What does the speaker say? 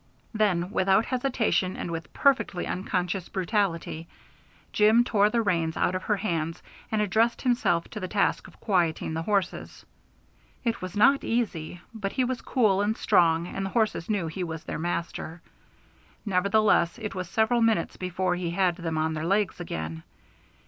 Then, without hesitation and with perfectly unconscious brutality, Jim tore the reins out of her hands, and addressed himself to the task of quieting the horses. It was not easy, but he was cool and strong, and the horses knew he was their master; nevertheless it was several minutes before he had them on their legs again.